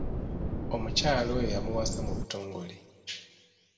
Omukyala oyo yamuwasa mu butongole.